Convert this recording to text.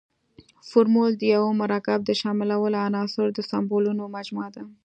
فورمول د یوه مرکب د شاملو عنصرونو د سمبولونو مجموعه ده.